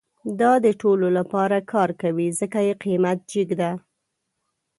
دا د ټولو لپاره کار کوي، ځکه یې قیمت جیګ ده